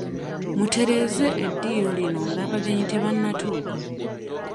Mutereeze eddiiro lino ng'abagenyi tebannatuuka